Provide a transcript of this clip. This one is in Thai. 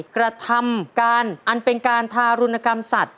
กระทำการอันเป็นการทารุณกรรมสัตว